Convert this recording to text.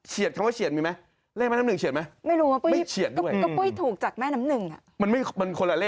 เฉียดคำว่าเฉียดมีไหม